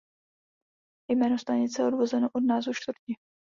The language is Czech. Jméno stanice je odvozeno od názvu čtvrti.